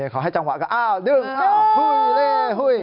เขาให้จังหวะก็อ้าวดึงอ้าวหุ้ยเล่หุ้ย